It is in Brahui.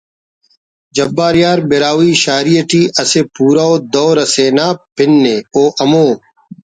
جبار یار براہوئی شاعری ٹی اسہ پُورو ءُ دور اسے نا پن ءِ او ہمو